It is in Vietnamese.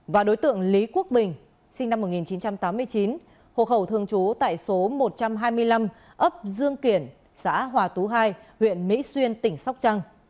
và đối tượng lý quốc bình sinh năm một nghìn chín trăm tám mươi chín hộ khẩu thường trú tại số một trăm hai mươi năm ấp dương kiển xã hòa tú hai huyện mỹ xuyên tỉnh sóc trăng